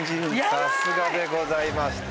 さすがでございました。